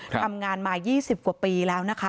ทำงานมา๒๐กว่าปีแล้วนะคะ